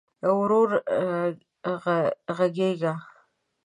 ورو ږغېږه !